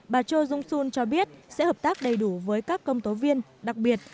bà cho yung sun cho biết sẽ hợp tác đầy đủ với các công tố viên đặc biệt